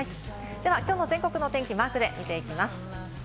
では今日の全国の天気、マークで見ていきます。